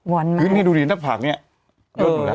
ว้อนมากพี่หนุ่มเติมไหมคะพี่หนุ่มเติมไหมคะ